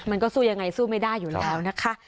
มันก็สู้ยังไงสู้ไม่ได้อยู่แล้วนะคะ